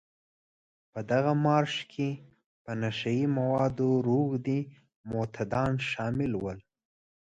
په دغه مارش کې په نشه يي موادو روږدي معتادان شامل وو.